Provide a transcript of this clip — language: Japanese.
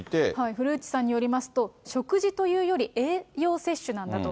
古内さんによりますと、食事というより、栄養摂取なんだと。